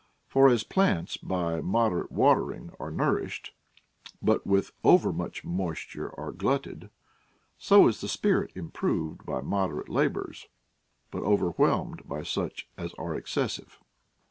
For as plants by moderate watering are nourished, but with over much moisture are glutted, so is the spirit improved by moderate labors, but overwhelmed by such as are excessive.